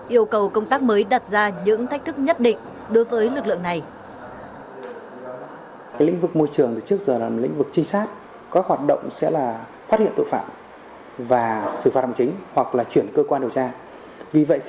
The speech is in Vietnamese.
yêu cầu công tác mới đặt ra những thách thức nhất định đối với lực lượng này